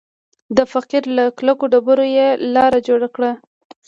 د فقر له کلکو ډبرو یې لاره جوړه کړه